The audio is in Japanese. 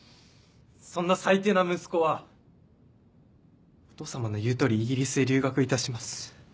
そんな最低な息子はお父様の言う通りイギリスへ留学いたします。